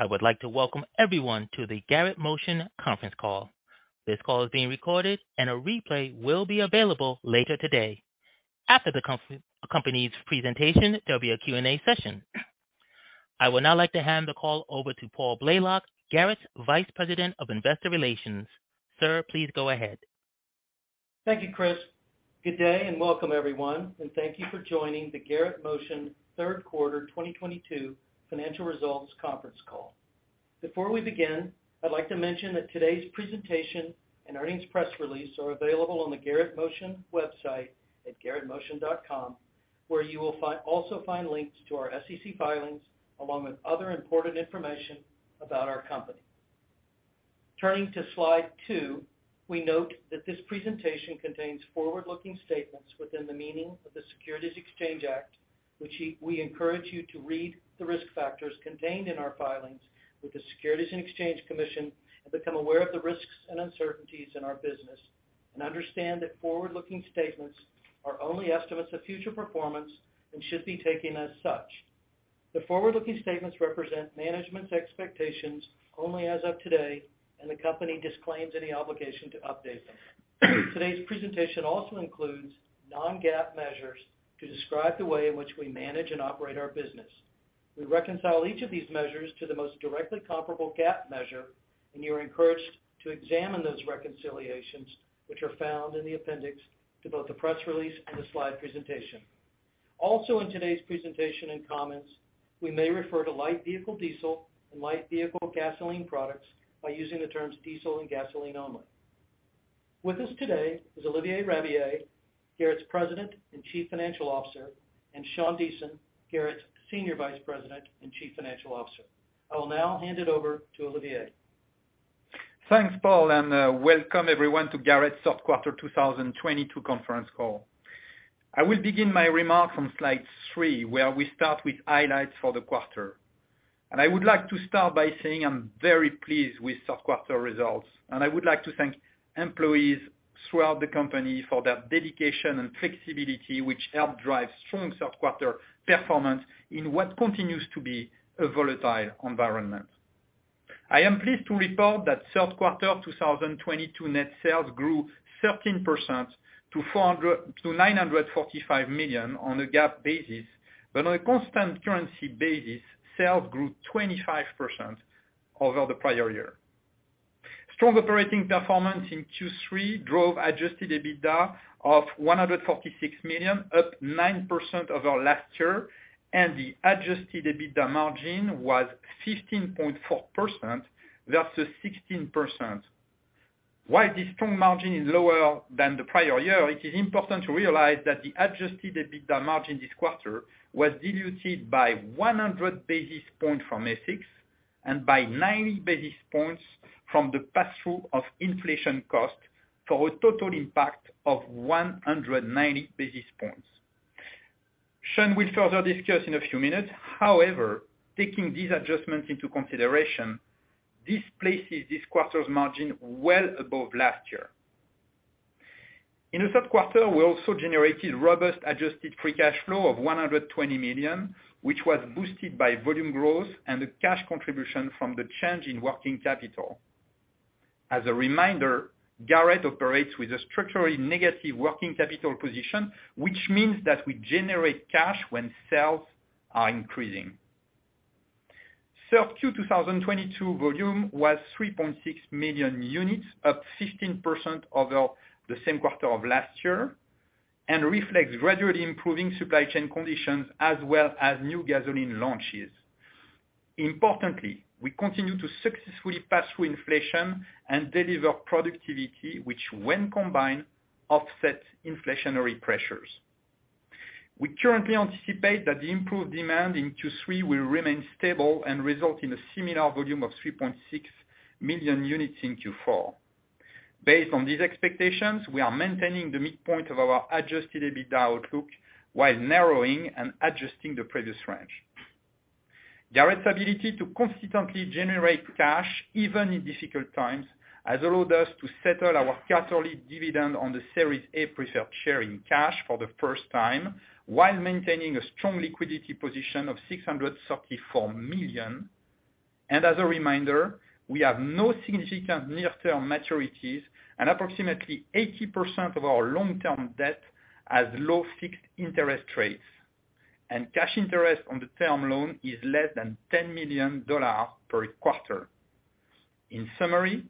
I would like to welcome everyone to the Garrett Motion conference call. This call is being recorded and a replay will be available later today. After the company's presentation, there'll be a Q&A session. I would now like to hand the call over to Paul Blalock, Garrett's Vice President of Investor Relations. Sir, please go ahead. Thank you, Chris. Good day and welcome everyone, and thank you for joining the Garrett Motion Q3 2022 financial results conference call. Before we begin, I'd like to mention that today's presentation and earnings press release are available on the Garrett Motion website at garrettmotion.com, where you will also find links to our SEC filings, along with other important information about our company. Turning to slide 2, we note that this presentation contains forward-looking statements within the meaning of the Securities Exchange Act, which we encourage you to read the risk factors contained in our filings with the Securities and Exchange Commission and become aware of the risks and uncertainties in our business, and understand that forward-looking statements are only estimates of future performance and should be taken as such. The forward-looking statements represent management's expectations only as of today, and the company disclaims any obligation to update them. Today's presentation also includes non-GAAP measures to describe the way in which we manage and operate our business. We reconcile each of these measures to the most directly comparable GAAP measure, and you're encouraged to examine those reconciliations, which are found in the appendix to both the press release and the slide presentation. Also in today's presentation and comments, we may refer to light vehicle diesel and light vehicle gasoline products by using the terms diesel and gasoline only. With us today is Olivier Rabiller, Garrett Motion's President and Chief Executive Officer, and Sean Deason, Garrett Motion's Senior Vice President and Chief Financial Officer. I will now hand it over to Olivier. Thanks, Paul, and welcome everyone to Garrett's Q3 2022 conference call. I will begin my remarks on slide 3, where we start with highlights for the quarter. I would like to start by saying I'm very pleased with Q3 results. I would like to thank employees throughout the company for their dedication and flexibility, which helped drive strong Q3 performance in what continues to be a volatile environment. I am pleased to report that Q3 2022 net sales grew 13% to $945 million on a GAAP basis. On a constant currency basis, sales grew 25% over the prior year. Strong operating performance in Q3 drove Adjusted EBITDA of $146 million, up 9% over last year, and the Adjusted EBITDA margin was 15.4% versus 16%. While this strong margin is lower than the prior year, it is important to realize that the Adjusted EBITDA margin this quarter was diluted by 100 basis points from FX and by 90 basis points from the pass-through of inflation costs for a total impact of 190 basis points. Sean will further discuss in a few minutes. However, taking these adjustments into consideration, this places this quarter's margin well above last year. In the Q3, we also generated robust adjusted free cash flow of $120 million, which was boosted by volume growth and the cash contribution from the change in working capital. As a reminder, Garrett operates with a structurally negative working capital position, which means that we generate cash when sales are increasing. Q3 2022 volume was 3.6 million units, up 15% over the same quarter of last year, and reflects gradually improving supply chain conditions as well as new gasoline launches. Importantly, we continue to successfully pass through inflation and deliver productivity, which when combined, offset inflationary pressures. We currently anticipate that the improved demand in Q3 will remain stable and result in a similar volume of 3.6 million units in Q4. Based on these expectations, we are maintaining the midpoint of our adjusted EBITDA outlook while narrowing and adjusting the previous range. Garrett's ability to consistently generate cash even in difficult times has allowed us to settle our quarterly dividend on the Series A preferred share in cash for the first time, while maintaining a strong liquidity position of $634 million As a reminder, we have no significant near-term maturities and approximately 80% of our long-term debt has low fixed interest rates. Cash interest on the term loan is less than $10 million per quarter. In summary,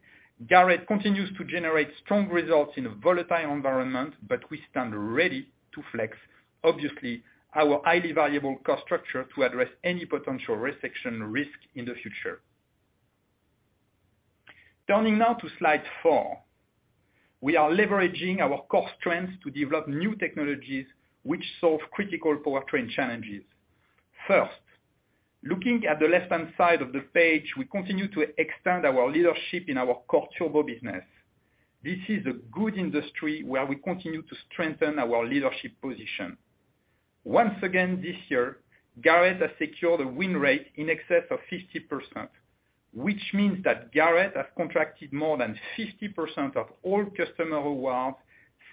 Garrett continues to generate strong results in a volatile environment, but we stand ready to flex, obviously, our highly valuable cost structure to address any potential recession risk in the future. Turning now to slide 4. We are leveraging our core strengths to develop new technologies which solve critical powertrain challenges. First, looking at the left-hand side of the page, we continue to extend our leadership in our core turbo business. This is a good industry where we continue to strengthen our leadership position. Once again this year, Garrett has secured a win rate in excess of 50%, which means that Garrett has contracted more than 50% of all customer awards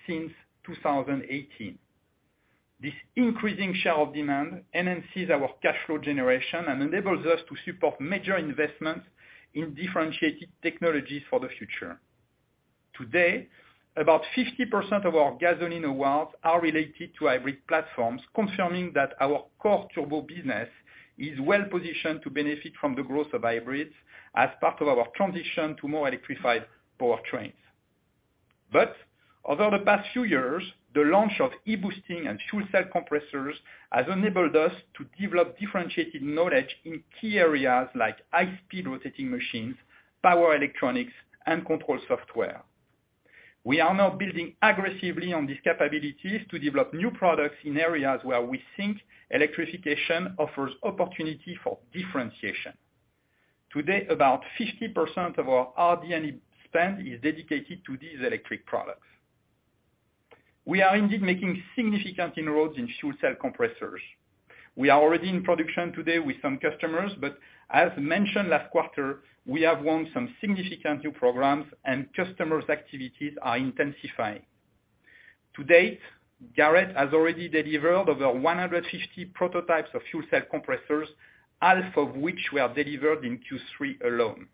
since 2018. This increasing share of demand enhances our cash flow generation and enables us to support major investments in differentiated technologies for the future. Today, about 50% of our gasoline awards are related to hybrid platforms, confirming that our core turbo business is well-positioned to benefit from the growth of hybrids as part of our transition to more electrified powertrains. Over the past few years, the launch of E-Boosting and Fuel Cell Compressors has enabled us to develop differentiated knowledge in key areas like high-speed rotating machines, power electronics, and control software. We are now building aggressively on these capabilities to develop new products in areas where we think electrification offers opportunity for differentiation. Today, about 50% of our R&D spend is dedicated to these electric products. We are indeed making significant inroads in Fuel Cell Compressors. We are already in production today with some customers, but as mentioned last quarter, we have won some significant new programs and customers' activities are intensifying. To date, Garrett has already delivered over 150 prototypes of Fuel Cell Compressors, half of which were delivered in Q3 alone.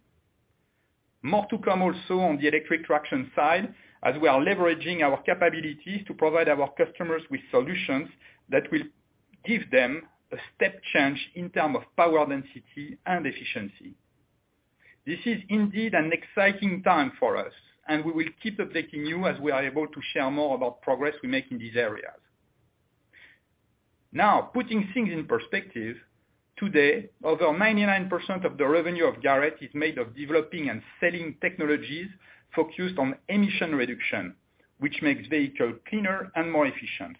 More to come also on the electric traction side, as we are leveraging our capabilities to provide our customers with solutions that will give them a step change in terms of power density and efficiency. This is indeed an exciting time for us, and we will keep updating you as we are able to share more about progress we make in these areas. Now, putting things in perspective, today, over 99% of the revenue of Garrett is made of developing and selling technologies focused on emission reduction, which makes vehicles cleaner and more efficient.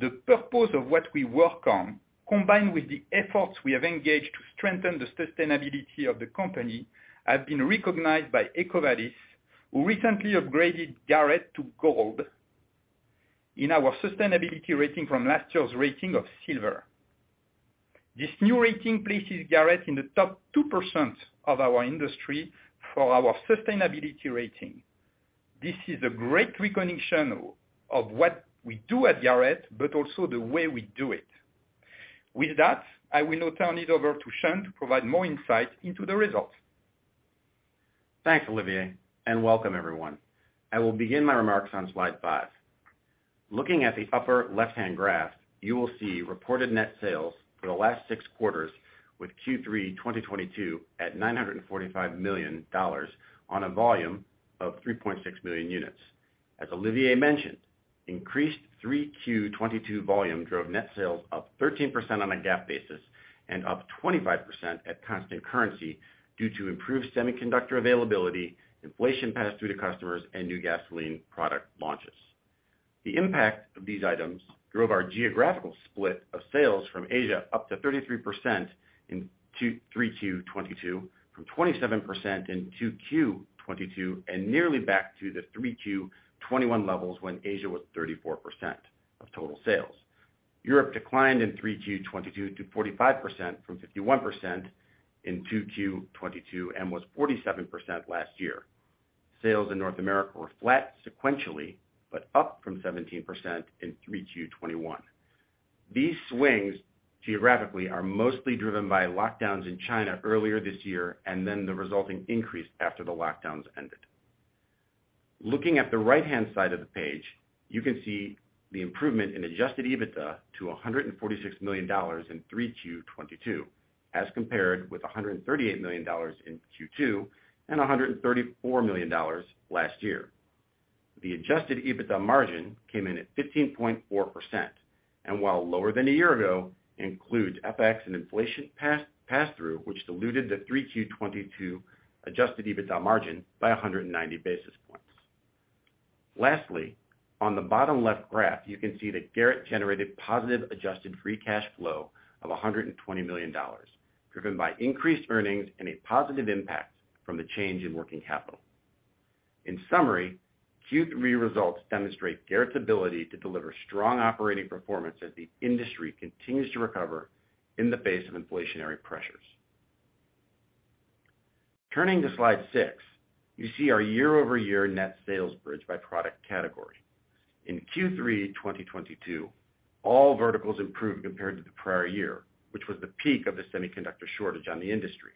The purpose of what we work on, combined with the efforts we have engaged to strengthen the sustainability of the company, have been recognized by EcoVadis, who recently upgraded Garrett to gold in our sustainability rating from last year's rating of silver. This new rating places Garrett in the top 2% of our industry for our sustainability rating. This is a great recognition of what we do at Garrett, but also the way we do it. With that, I will now turn it over to Sean to provide more insight into the results. Thanks, Olivier, and welcome everyone. I will begin my remarks on slide 5. Looking at the upper left-hand graph, you will see reported net sales for the last six quarters with Q3 2022 at $945 million on a volume of 3.6 million units. As Olivier mentioned, increased 3Q22 volume drove net sales up 13% on a GAAP basis and up 25% at constant currency due to improved semiconductor availability, inflation passed through to customers, and new gasoline product launches. The impact of these items drove our geographical split of sales from Asia up to 33% in 3Q22, from 27% in 2Q22, and nearly back to the 3Q21 levels when Asia was 34% of total sales. Europe declined in 3Q22 to 45% from 51% in 2Q22 and was 47% last year. Sales in North America were flat sequentially, but up 17% in 3Q21. These swings geographically are mostly driven by lockdowns in China earlier this year and then the resulting increase after the lockdowns ended. Looking at the right-hand side of the page, you can see the improvement in Adjusted EBITDA to $146 million in 3Q22 as compared with $138 million in Q2 and $134 million last year. The Adjusted EBITDA margin came in at 15.4%, and while lower than a year ago, includes FX and inflation pass-through which diluted the 3Q22 Adjusted EBITDA margin by 190 basis points. Lastly, on the bottom left graph, you can see that Garrett generated positive adjusted free cash flow of $120 million, driven by increased earnings and a positive impact from the change in working capital. In summary, Q3 results demonstrate Garrett's ability to deliver strong operating performance as the industry continues to recover in the face of inflationary pressures. Turning to slide six, you see our year-over-year net sales bridge by product category. In Q3 2022, all verticals improved compared to the prior year, which was the peak of the semiconductor shortage on the industry.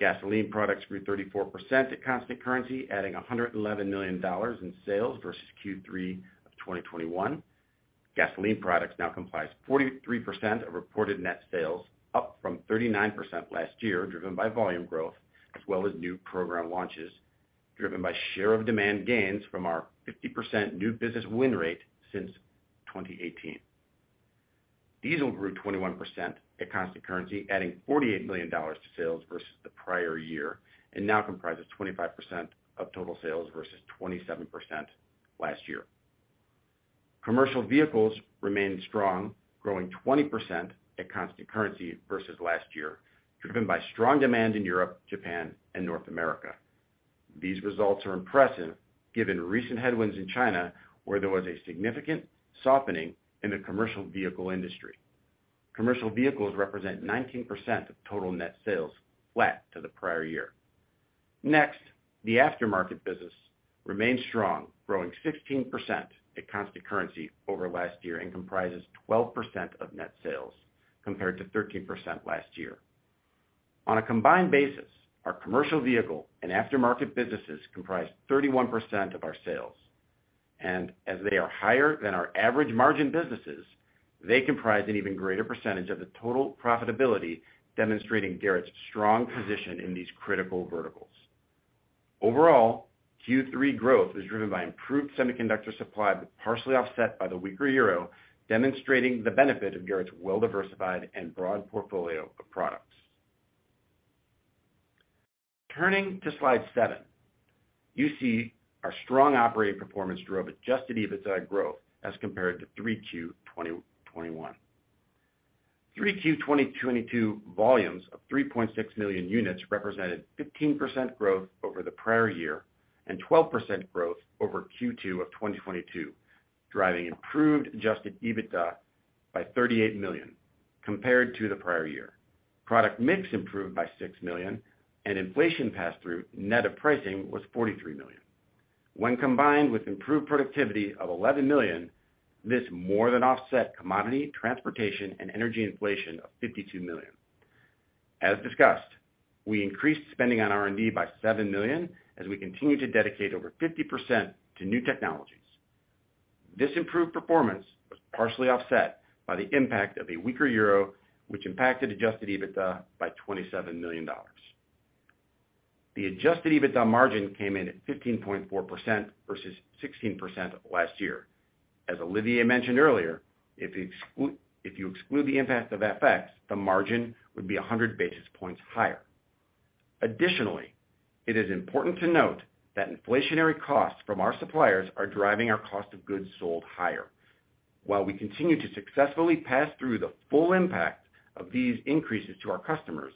Gasoline products grew 34% at constant currency, adding $111 million in sales versus Q3 of 2021. Gasoline products now comprise 43% of reported net sales, up from 39% last year, driven by volume growth as well as new program launches, driven by share of demand gains from our 50% new business win rate since 2018. Diesel grew 21% at constant currency, adding $48 million to sales versus the prior year and now comprises 25% of total sales versus 27% last year. Commercial vehicles remained strong, growing 20% at constant currency versus last year, driven by strong demand in Europe, Japan, and North America. These results are impressive given recent headwinds in China, where there was a significant softening in the commercial vehicle industry. Commercial vehicles represent 19% of total net sales flat to the prior year. Next, the aftermarket business remains strong, growing 16% at constant currency over last year and comprises 12% of net sales compared to 13% last year. On a combined basis, our commercial vehicle and aftermarket businesses comprise 31% of our sales. As they are higher than our average margin businesses, they comprise an even greater percentage of the total profitability, demonstrating Garrett's strong position in these critical verticals. Overall, Q3 growth is driven by improved semiconductor supply, but partially offset by the weaker euro, demonstrating the benefit of Garrett's well-diversified and broad portfolio of products. Turning to slide 7. You see our strong operating performance drove Adjusted EBITDA growth as compared to Q3 2021. Q3 2022 volumes of 3.6 million units represented 15% growth over the prior year and 12% growth over Q2 of 2022, driving improved Adjusted EBITDA by $38 million compared to the prior year. Product mix improved by $6 million and inflation pass-through net of pricing was $43 million. When combined with improved productivity of $11 million, this more than offset commodity, transportation and energy inflation of $52 million. As discussed, we increased spending on R&D by $7 million as we continue to dedicate over 50% to new technologies. This improved performance was partially offset by the impact of a weaker euro, which impacted Adjusted EBITDA by $27 million. The Adjusted EBITDA margin came in at 15.4% versus 16% last year. As Olivier mentioned earlier, if you exclude the impact of FX, the margin would be 100 basis points higher. Additionally, it is important to note that inflationary costs from our suppliers are driving our cost of goods sold higher. While we continue to successfully pass through the full impact of these increases to our customers,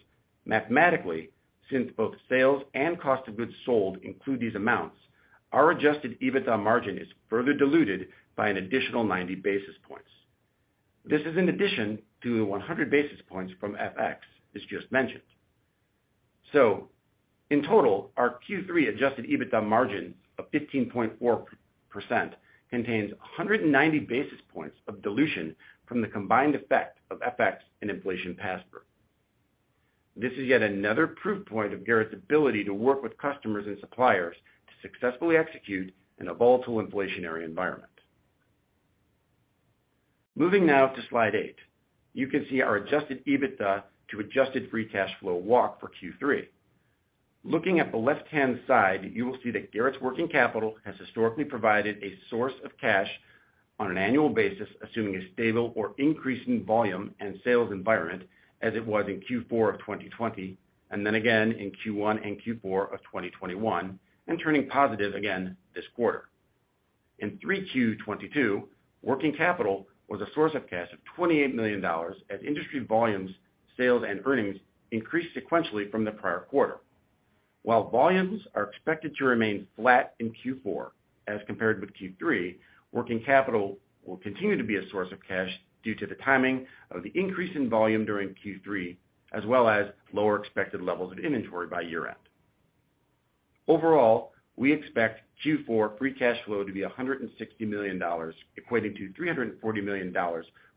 mathematically, since both sales and cost of goods sold include these amounts, our adjusted EBITDA margin is further diluted by an additional 90 basis points. This is in addition to the 100 basis points from FX, as just mentioned. In total, our Q3 adjusted EBITDA margin of 15.4% contains 190 basis points of dilution from the combined effect of FX and inflation pass-through. This is yet another proof point of Garrett's ability to work with customers and suppliers to successfully execute in a volatile inflationary environment. Moving now to slide 8. You can see our Adjusted EBITDA to adjusted free cash flow walk for Q3. Looking at the left-hand side, you will see that Garrett's working capital has historically provided a source of cash on an annual basis, assuming a stable or increasing volume and sales environment as it was in Q4 of 2020 and then again in Q1 and Q4 of 2021, and turning positive again this quarter. In 3Q 2022, working capital was a source of cash of $28 million as industry volumes, sales and earnings increased sequentially from the prior quarter. While volumes are expected to remain flat in Q4 as compared with Q3, working capital will continue to be a source of cash due to the timing of the increase in volume during Q3, as well as lower expected levels of inventory by year-end. Overall, we expect Q4 free cash flow to be $160 million, equating to $340 million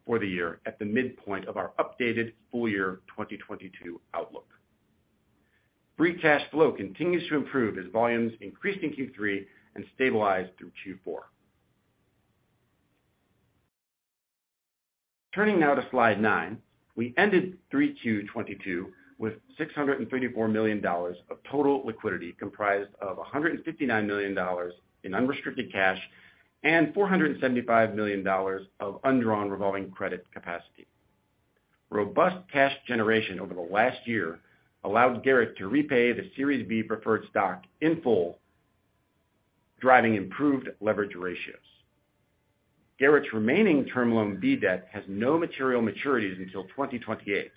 for the year at the midpoint of our updated full year 2022 outlook. Free cash flow continues to improve as volumes increased in Q3 and stabilized through Q4. Turning now to slide 9. We ended 3Q 2022 with $634 million of total liquidity, comprised of $159 million in unrestricted cash and $475 million of undrawn revolving credit capacity. Robust cash generation over the last year allowed Garrett to repay the Series B Preferred Stock in full, driving improved leverage ratios. Garrett's remaining Term Loan B debt has no material maturities until 2028.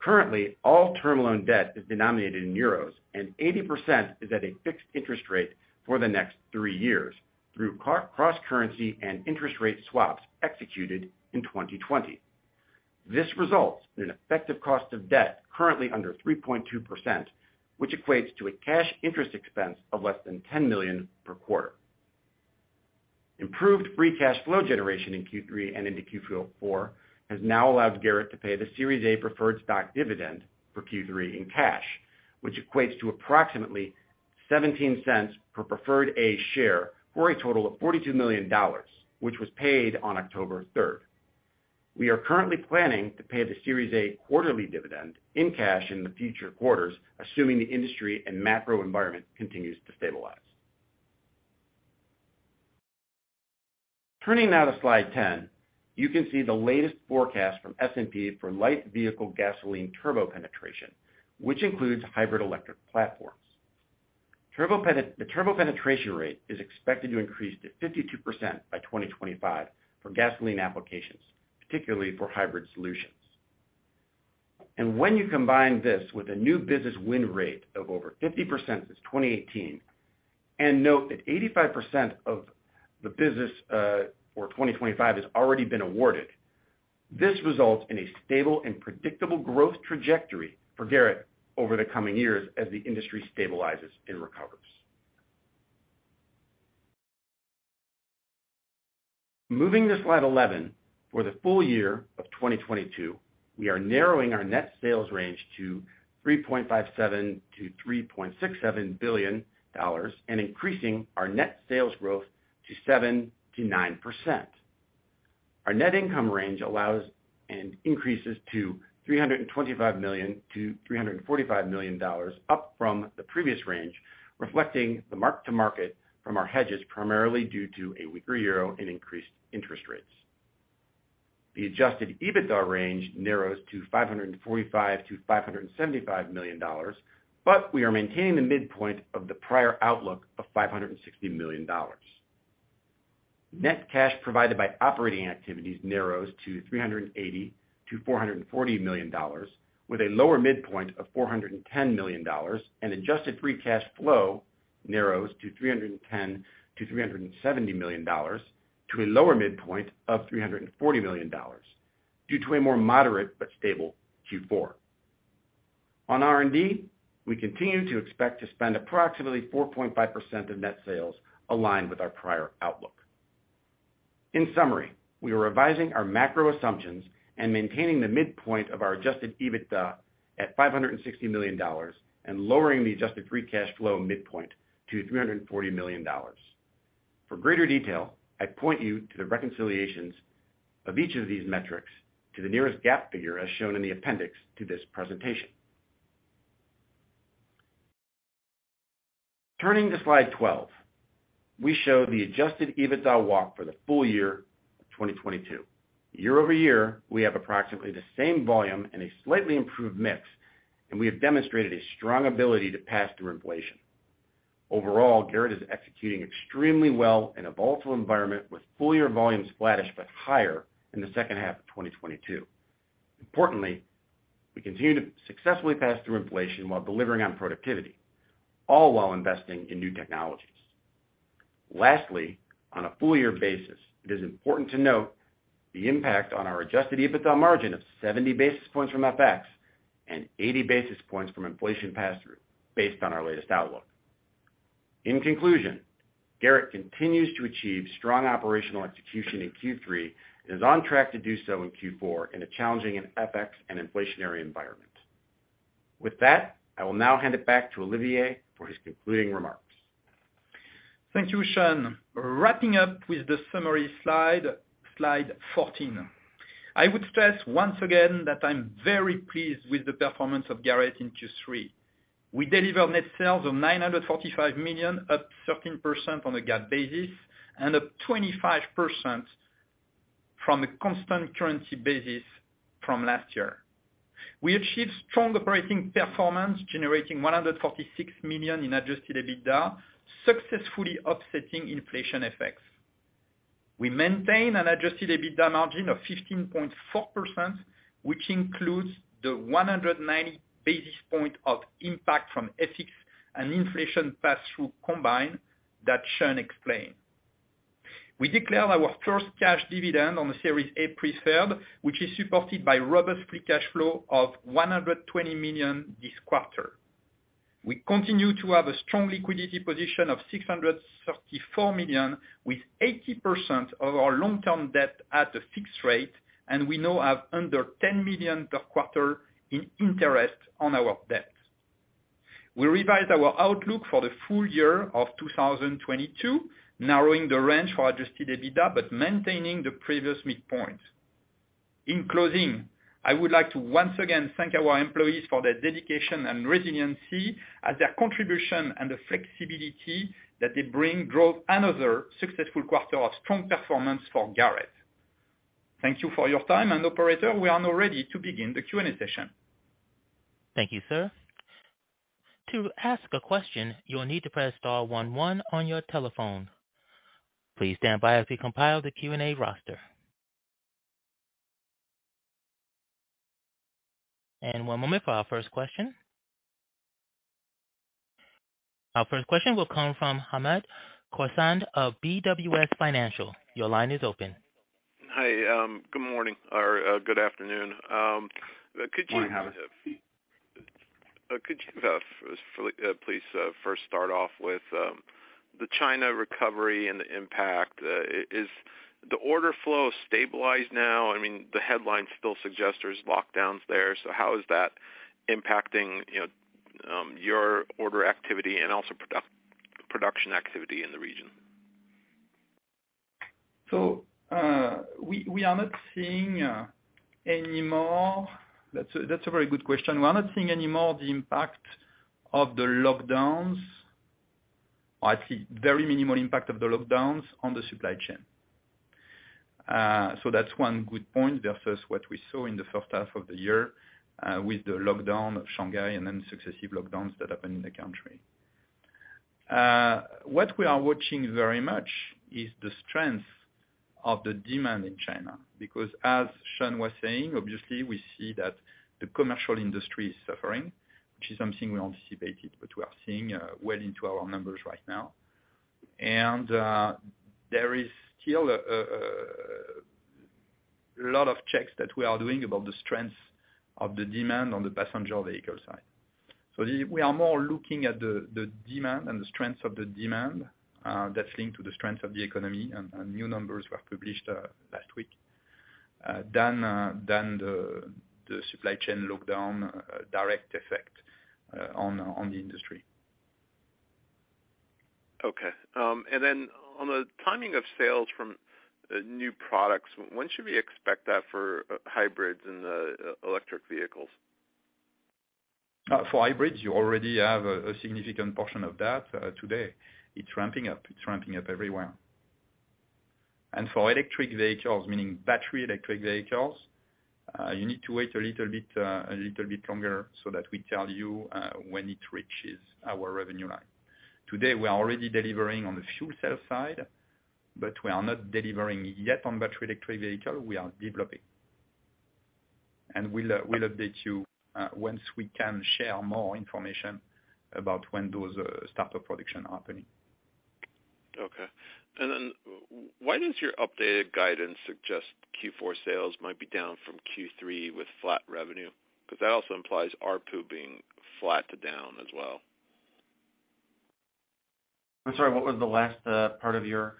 Currently, all term loan debt is denominated in euros, and 80% is at a fixed interest rate for the next 3 years through cross-currency and interest rate swaps executed in 2020. This results in an effective cost of debt currently under 3.2%, which equates to a cash interest expense of less than $10 million per quarter. Improved free cash flow generation in Q3 and into Q4 has now allowed Garrett to pay the Series A Preferred Stock dividend for Q3 in cash, which equates to approximately $0.17 per Preferred A Share for a total of $42 million, which was paid on October 3rd. We are currently planning to pay the Series A quarterly dividend in cash in the future quarters, assuming the industry and macro environment continues to stabilize. Turning now to slide ten, you can see the latest forecast from S&P for light vehicle gasoline turbo penetration, which includes hybrid electric platforms. The turbo penetration rate is expected to increase to 52% by 2025 for gasoline applications, particularly for hybrid solutions. When you combine this with a new business win rate of over 50% since 2018, and note that 85% of the business for 2025 has already been awarded. This results in a stable and predictable growth trajectory for Garrett over the coming years as the industry stabilizes and recovers. Moving to slide 11, for the full year of 2022, we are narrowing our net sales range to $3.57 billion-$3.67 billion and increasing our net sales growth to 7%-9%. Our net income range narrows and increases to $325 million-$345 million, up from the previous range, reflecting the mark-to-market from our hedges primarily due to a weaker euro and increased interest rates. The adjusted EBITDA range narrows to $545 million-$575 million, but we are maintaining the midpoint of the prior outlook of $560 million. Net cash provided by operating activities narrows to $300 million-$440 million with a lower midpoint of $410 million, and adjusted free cash flow narrows to $310 million-$370 million to a lower midpoint of $340 million due to a more moderate but stable Q4. On R&D, we continue to expect to spend approximately 4.5% of net sales aligned with our prior outlook. In summary, we are revising our macro assumptions and maintaining the midpoint of our Adjusted EBITDA at $560 million and lowering the adjusted free cash flow midpoint to $340 million. For greater detail, I point you to the reconciliations of each of these metrics to the nearest GAAP figure as shown in the appendix to this presentation. Turning to slide 12, we show the adjusted EBITDA walk for the full year of 2022. Year over year, we have approximately the same volume and a slightly improved mix, and we have demonstrated a strong ability to pass through inflation. Overall, Garrett is executing extremely well in a volatile environment with full year volumes flattish but higher in the second half of 2022. Importantly, we continue to successfully pass through inflation while delivering on productivity, all while investing in new technologies. Lastly, on a full year basis, it is important to note the impact on our adjusted EBITDA margin of 70 basis points from FX and 80 basis points from inflation pass-through based on our latest outlook. In conclusion, Garrett continues to achieve strong operational execution in Q3 and is on track to do so in Q4 in a challenging FX and inflationary environment. With that, I will now hand it back to Olivier for his concluding remarks. Thank you, Sean. Wrapping up with the summary slide 14. I would stress once again that I'm very pleased with the performance of Garrett Motion in Q3. We delivered net sales of $945 million, up 13% on a GAAP basis, and up 25% from a constant currency basis from last year. We achieved strong operating performance, generating $146 million in Adjusted EBITDA, successfully offsetting inflation effects. We maintain an Adjusted EBITDA margin of 15.4%, which includes the 190 basis points of impact from FX and inflation pass-through combined that Sean explained. We declared our first cash dividend on the Series A preferred, which is supported by robust free cash flow of $120 million this quarter. We continue to have a strong liquidity position of $634 million, with 80% of our long-term debt at a fixed rate, and we now have under $10 million per quarter in interest on our debt. We revised our outlook for the full year of 2022, narrowing the range for Adjusted EBITDA but maintaining the previous midpoint. In closing, I would like to once again thank our employees for their dedication and resiliency as their contribution and the flexibility that they bring drove another successful quarter of strong performance for Garrett. Thank you for your time. Operator, we are now ready to begin the Q&A session. Thank you, sir. To ask a question, you will need to press star one one on your telephone. Please stand by as we compile the Q&A roster. One moment for our first question. Our first question will come from Hamed Khorsand of BWS Financial. Your line is open. Hi, good morning or good afternoon. Could you- Morning, Hamed. Could you please first start off with the China recovery and the impact? Is the order flow stabilized now? I mean, the headlines still suggest there's lockdowns there. How is that impacting, you know, your order activity and also production activity in the region? That's a very good question. We're not seeing any more the impact of the lockdowns. I see very minimal impact of the lockdowns on the supply chain. That's one good point versus what we saw in the first half of the year, with the lockdown of Shanghai and then successive lockdowns that happened in the country. What we are watching very much is the strength of the demand in China, because as Sean was saying, obviously we see that the commercial industry is suffering, which is something we anticipated, but we are seeing well into our numbers right now. There is still a lot of checks that we are doing about the strength of the demand on the passenger vehicle side. We are more looking at the demand and the strength of the demand that's linked to the strength of the economy and new numbers were published last week than the supply chain lockdown direct effect on the industry. Okay. On the timing of sales from new products, when should we expect that for hybrids and electric vehicles? For hybrids, you already have a significant portion of that today. It's ramping up. It's ramping up everywhere. For electric vehicles, meaning battery electric vehicles, you need to wait a little bit longer so that we tell you when it reaches our revenue line. Today, we are already delivering on the fuel cell side, but we are not delivering yet on battery electric vehicle. We are developing. We'll update you once we can share more information about when those start of production are happening. Okay. Why does your updated guidance suggest Q4 sales might be down from Q3 with flat revenue? Because that also implies ARPU being flat to down as well. I'm sorry, what was the last part of your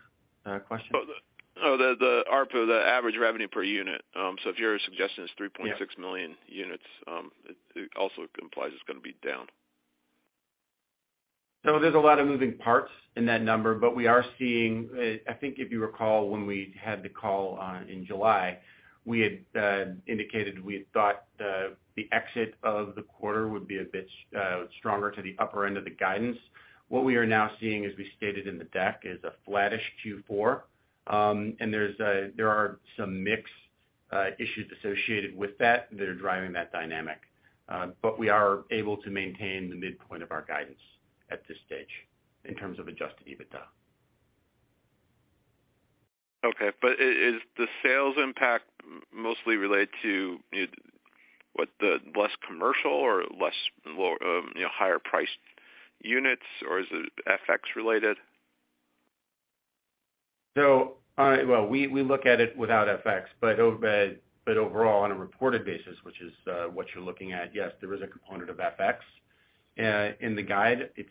question? the ARPU, the average revenue per unit. So if you're suggesting it's three point- Yeah. 6 million units, it also implies it's gonna be down. There's a lot of moving parts in that number, but we are seeing, I think if you recall when we had the call, in July, we had indicated we had thought the exit of the quarter would be a bit stronger to the upper end of the guidance. What we are now seeing, as we stated in the deck, is a flattish Q4. There are some mix issues associated with that that are driving that dynamic. We are able to maintain the midpoint of our guidance at this stage in terms of Adjusted EBITDA. Okay. Is the sales impact mostly related to the less commercial, well, you know, higher priced units or is it FX related? We look at it without FX, but overall on a reported basis, which is what you're looking at. Yes, there is a component of FX. In the guide, it's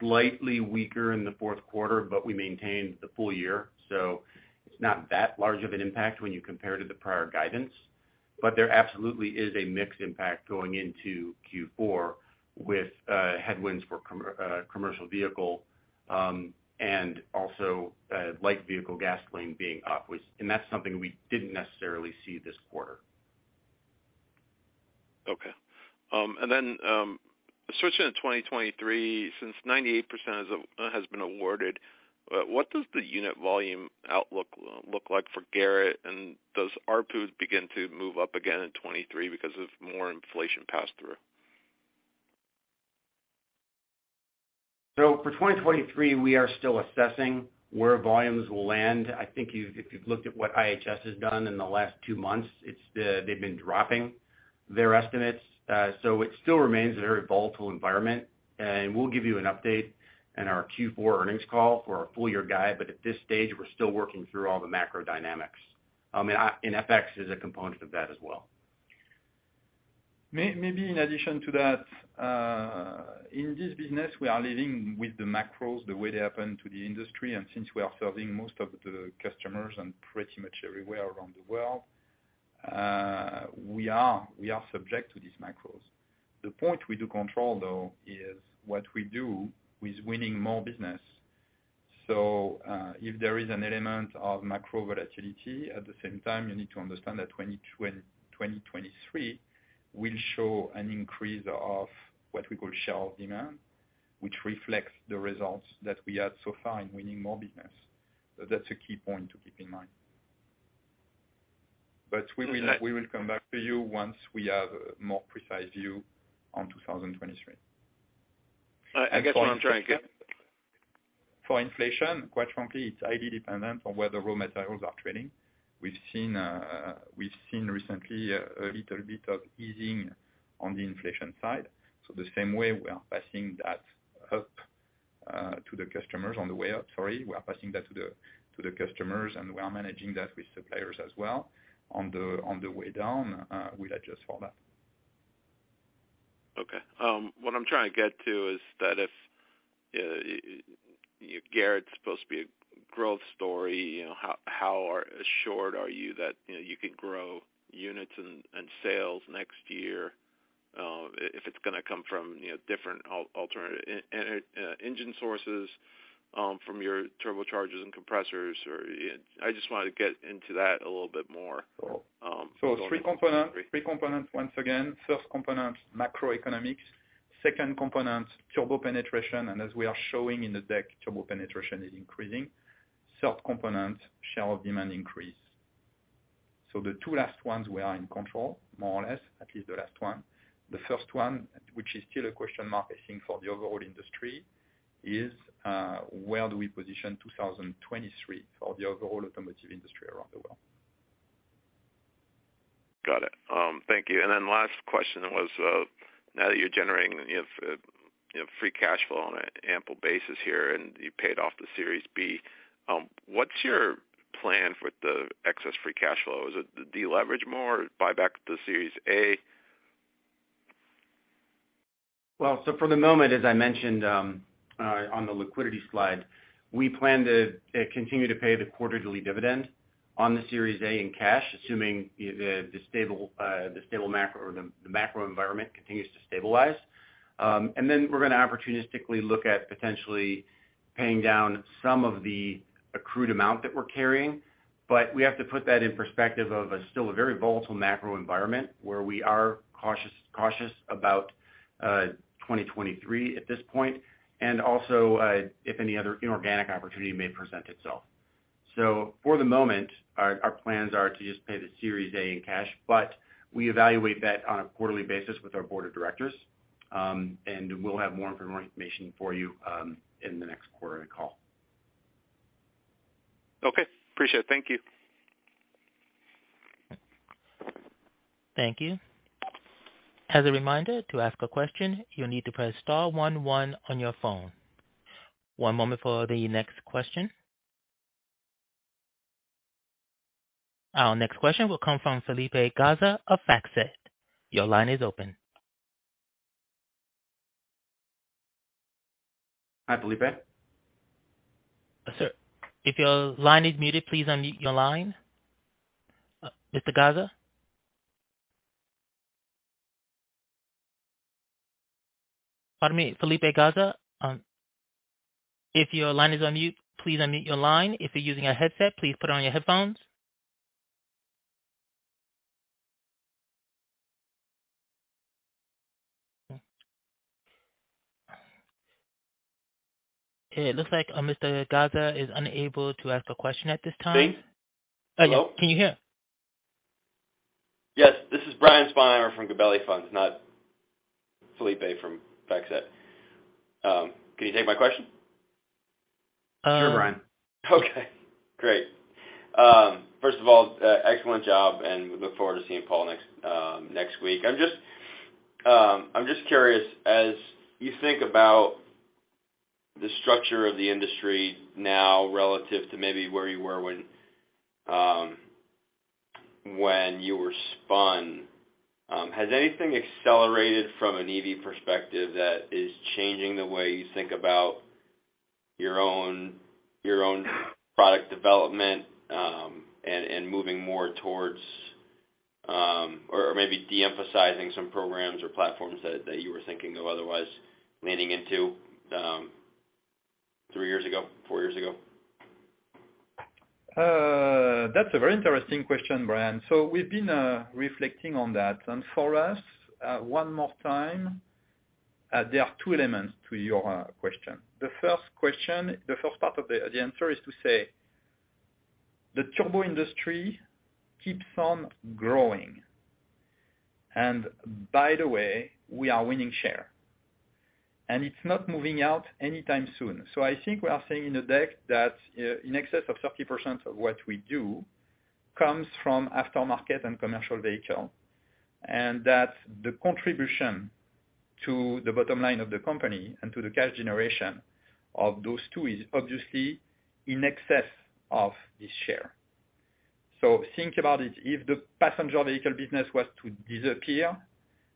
slightly weaker in the Q4, but we maintained the full year, so it's not that large of an impact when you compare to the prior guidance. There absolutely is a mix impact going into Q4 with headwinds for commercial vehicle, and also light vehicle gasoline being up, which, and that's something we didn't necessarily see this quarter. Switching to 2023, since 98% has been awarded, what does the unit volume outlook look like for Garrett? Does ARPU begin to move up again in 2023 because of more inflation pass-through? For 2023, we are still assessing where volumes will land. I think if you've looked at what IHS has done in the last two months, it's, they've been dropping their estimates. It still remains a very volatile environment. We'll give you an update in our Q4 earnings call for our full year guide, but at this stage, we're still working through all the macro dynamics. FX is a component of that as well. Maybe in addition to that, in this business, we are living with the macros the way they happen to the industry. Since we are serving most of the customers and pretty much everywhere around the world, we are subject to these macros. The point we do control though is what we do with winning more business. If there is an element of macro volatility, at the same time, you need to understand that 2023 will show an increase of what we call share of demand, which reflects the results that we had so far in winning more business. That's a key point to keep in mind. We will. So that- We will come back to you once we have a more precise view on 2023. I guess what I'm trying to get- For inflation, quite frankly, it's highly dependent on where the raw materials are trending. We've seen recently a little bit of easing on the inflation side. The same way we are passing that up to the customers on the way out. Sorry. We are passing that to the customers, and we are managing that with suppliers as well on the way down. We'll adjust for that. Okay. What I'm trying to get to is that if Garrett's supposed to be a growth story, you know, how assured are you that, you know, you can grow units and sales next year, if it's gonna come from, you know, different alternate engine sources from your turbochargers and compressors. I just want to get into that a little bit more. Three components once again. First component, macroeconomics. Second component, turbo penetration, and as we are showing in the deck, turbo penetration is increasing. Third component, share of demand increase. The two last ones we are in control, more or less, at least the last one. The first one, which is still a question mark, I think, for the overall industry, is where do we position 2023 for the overall automotive industry around the world? Got it. Thank you. Then last question was, now that you're generating, you have, you know, free cash flow on an ample basis here and you paid off the Series B, what's your plan for the excess free cash flow? Is it to deleverage more or buy back the Series A? Well, for the moment, as I mentioned, on the liquidity slide, we plan to continue to pay the quarterly dividend on the Series A in cash, assuming the stable macro or the macro environment continues to stabilize. Then we're gonna opportunistically look at potentially paying down some of the accrued amount that we're carrying. We have to put that in perspective of a still very volatile macro environment where we are cautious about 2023 at this point and also, if any other inorganic opportunity may present itself. For the moment, our plans are to just pay the Series A in cash, but we evaluate that on a quarterly basis with our board of directors. We'll have more information for you in the next quarterly call. Okay. Appreciate it. Thank you. Thank you. As a reminder, to ask a question, you'll need to press star one one on your phone. One moment for the next question. Our next question will come from Philippe Garza of FactSet. Your line is open. Hi, Philippe. Sir, if your line is muted, please unmute your line. Mr. Garza? Pardon me, Philippe Garza, if your line is on mute, please unmute your line. If you're using a headset, please put on your headphones. It looks like Mr. Garza is unable to ask a question at this time. See? Hello? Oh, yeah. Can you hear? Yes. This is Brian Sponheimer from Gabelli Funds, not Philippe Garza from FactSet. Can you take my question? Sure, Brian. Okay, great. First of all, excellent job, and we look forward to seeing Paul next week. I'm just curious, as you think about the structure of the industry now relative to maybe where you were when you were spun, has anything accelerated from an EV perspective that is changing the way you think about your own product development, and moving more towards, or maybe de-emphasizing some programs or platforms that you were thinking of otherwise leaning into, three years ago, four years ago? That's a very interesting question, Brian. We've been reflecting on that. For us, one more time, there are two elements to your question. The first question, the first part of the answer is to say the turbo industry keeps on growing. By the way, we are winning share. It's not moving out anytime soon. I think we are seeing in the deck that in excess of 30% of what we do comes from aftermarket and commercial vehicle, and that the contribution to the bottom line of the company and to the cash generation of those two is obviously in excess of the share. Think about it. If the passenger vehicle business was to disappear,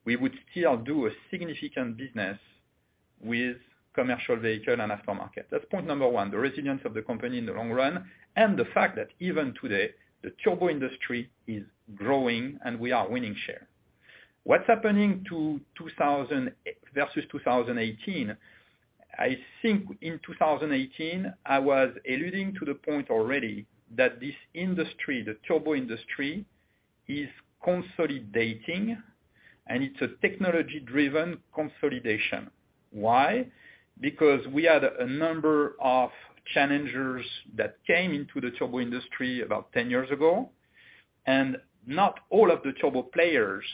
we would still do a significant business with commercial vehicle and aftermarket. That's point number one, the resilience of the company in the long run and the fact that even today, the turbo industry is growing and we are winning share. What's happening to 2000 versus 2018, I think in 2018, I was alluding to the point already that this industry, the turbo industry, is consolidating and it's a technology-driven consolidation. Why? Because we had a number of challengers that came into the turbo industry about 10 years ago, and not all of the turbo players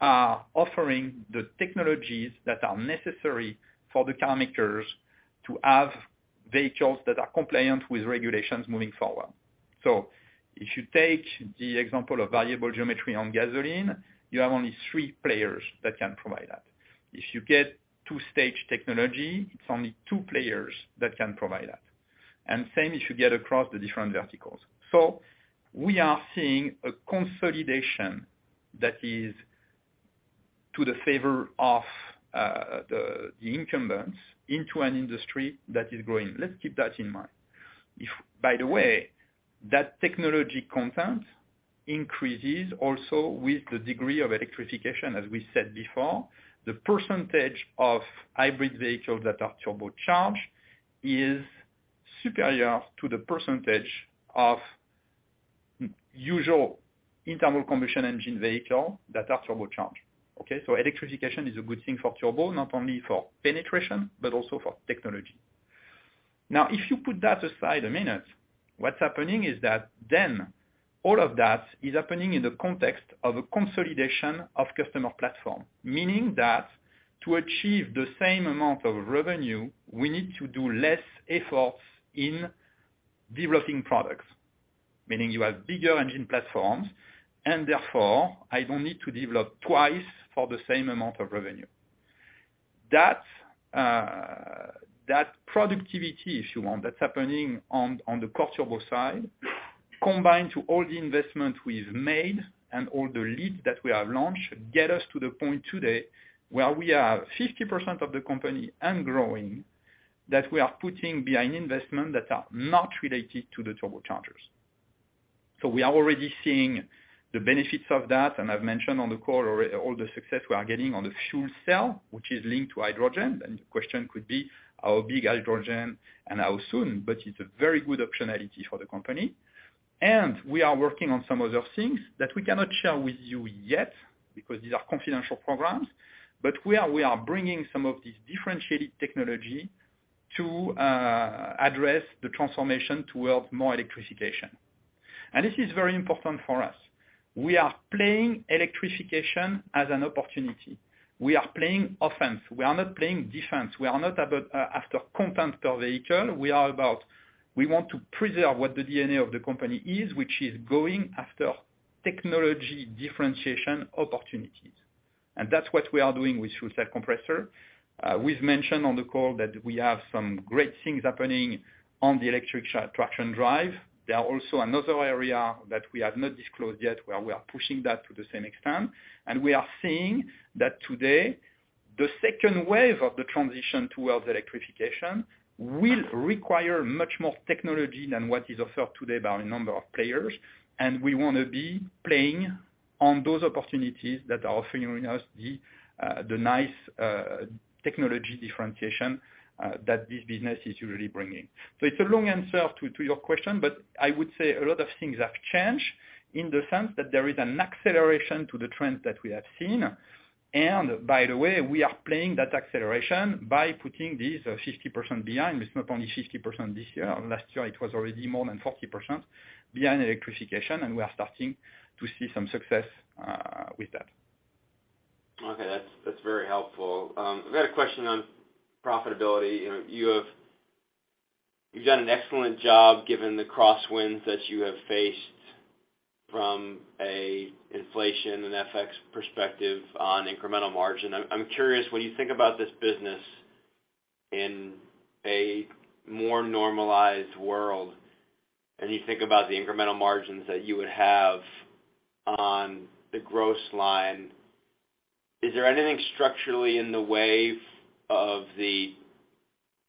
are offering the technologies that are necessary for the car makers to have vehicles that are compliant with regulations moving forward. If you take the example of variable geometry on gasoline, you have only three players that can provide that. If you get two-stage technology, it's only two players that can provide that. Same if you get across the different verticals. We are seeing a consolidation that is to the favor of the incumbents into an industry that is growing. Let's keep that in mind. By the way, that technology content increases also with the degree of electrification as we said before. The percentage of hybrid vehicles that are turbocharged is superior to the percentage of usual internal combustion engine vehicle that are turbocharged. Okay? Electrification is a good thing for turbo, not only for penetration but also for technology. Now, if you put that aside a minute, what's happening is that then all of that is happening in the context of a consolidation of customer platform. Meaning that to achieve the same amount of revenue, we need to do less efforts in developing products, meaning you have bigger engine platforms and therefore I don't need to develop twice for the same amount of revenue. That productivity, if you want, that's happening on the turbo side, combined to all the investment we've made and all the leads that we have launched, get us to the point today where we are 50% of the company and growing, that we are putting behind investment that are not related to the turbochargers. We are already seeing the benefits of that. I've mentioned on the call already all the success we are getting on the fuel cell, which is linked to hydrogen. The question could be, how big hydrogen and how soon, but it's a very good optionality for the company. We are working on some other things that we cannot share with you yet, because these are confidential programs. We are bringing some of these differentiated technology to address the transformation towards more electrification. This is very important for us. We are playing electrification as an opportunity. We are playing offense. We are not playing defense. We are not about after content per vehicle, we are about we want to preserve what the DNA of the company is, which is going after technology differentiation opportunities. That's what we are doing with Fuel Cell Compressor. We've mentioned on the call that we have some great things happening on the electric traction drive. There are also another area that we have not disclosed yet, where we are pushing that to the same extent. We are seeing that today, the second wave of the transition towards electrification will require much more technology than what is offered today by a number of players. We wanna be playing on those opportunities that are offering us the nice technology differentiation that this business is really bringing. It's a long answer to your question, but I would say a lot of things have changed in the sense that there is an acceleration to the trends that we have seen. By the way, we are playing that acceleration by putting these 50% behind. It's not only 50% this year, or last year it was already more than 40% behind electrification, and we are starting to see some success with that. Okay, that's very helpful. I've got a question on profitability. You know, you've done an excellent job given the crosswinds that you have faced from inflation and FX perspective on incremental margin. I'm curious, when you think about this business in a more normalized world, and you think about the incremental margins that you would have on the gross line, is there anything structurally in the way of the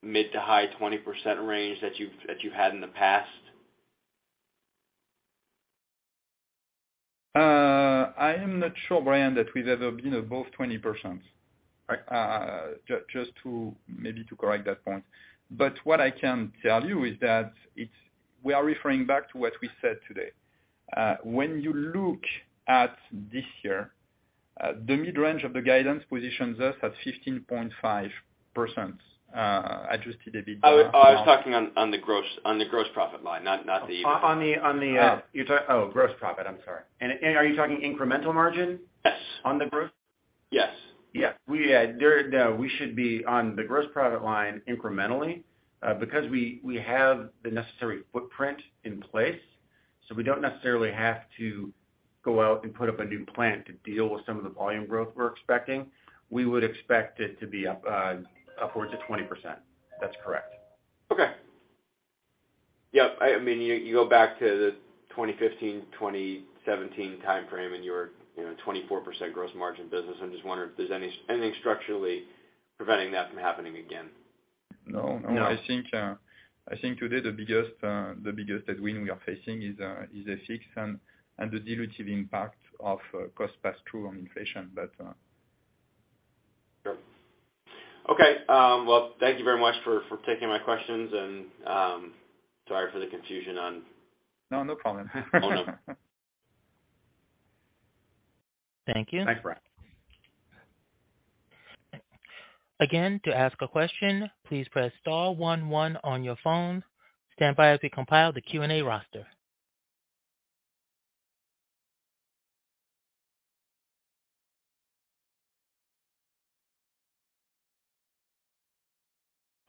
mid- to high-20% range that you had in the past? I am not sure, Brian Sponheimer, that we've ever been above 20%. Maybe to correct that point. What I can tell you is that we are referring back to what we said today. When you look at this year, the mid-range of the guidance positions us at 15.5%. I just did a big Oh, I was talking on the gross profit line, not the- On the, on the, uh- Oh, gross profit. I'm sorry. Are you talking incremental margin? Yes. On the gross? Yes. Yeah. We should be on the gross profit line incrementally, because we have the necessary footprint in place, so we don't necessarily have to go out and put up a new plant to deal with some of the volume growth we're expecting. We would expect it to be up, upwards of 20%. That's correct. Okay. Yeah, I mean, you go back to the 2015-2017 timeframe and you were, you know, 24% gross margin business. I'm just wondering if there's any, anything structurally preventing that from happening again. No, no. No. I think today the biggest headwind we are facing is the fixed and the dilutive impact of cost pass-through on inflation. But... Sure. Okay, well, thank you very much for taking my questions and, sorry for the confusion on. No, no problem. Oh, no. Thank you. Bye. Again, to ask a question, please press star one one on your phone. Stand by as we compile the Q&A roster.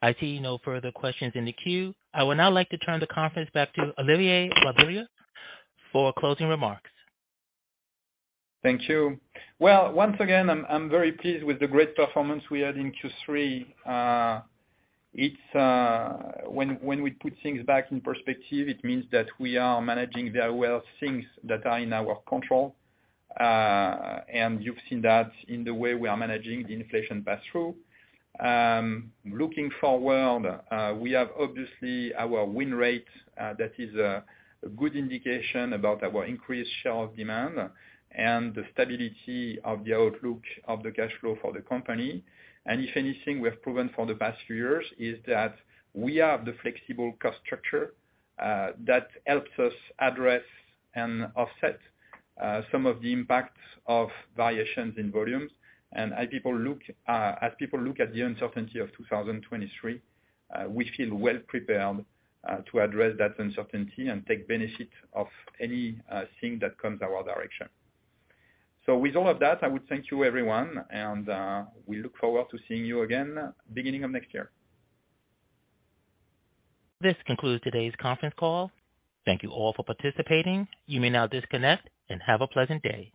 I see no further questions in the queue. I would now like to turn the conference back to Olivier Rabiller for closing remarks. Thank you. Well, once again, I'm very pleased with the great performance we had in Q3. It's when we put things back in perspective, it means that we are managing very well things that are in our control, and you've seen that in the way we are managing the inflation pass-through. Looking forward, we have obviously our win rate that is a good indication about our increased share of demand and the stability of the outlook of the cash flow for the company. If anything, we have proven for the past few years is that we have the flexible cost structure that helps us address and offset some of the impacts of variations in volumes. As people look at the uncertainty of 2023, we feel well prepared to address that uncertainty and take benefit of any thing that comes our direction. With all of that, I would thank you, everyone, and we look forward to seeing you again beginning of next year. This concludes today's conference call. Thank you all for participating. You may now disconnect and have a pleasant day.